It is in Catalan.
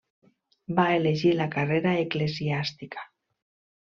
Va elegir la carrera eclesiàstica.